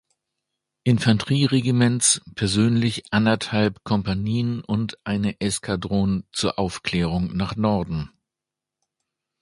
Infanterie-Regiments, persönlich anderthalb Kompanien und eine Eskadron zur Aufklärung nach Norden.